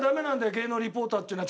芸能リポーターっていうのは。